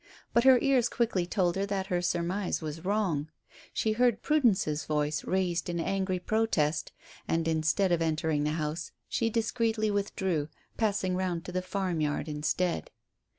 But her ears quickly told her that her surmise was wrong. She heard Prudence's voice raised in angry protest, and, instead of entering the house, she discreetly withdrew, passing round to the farmyard instead.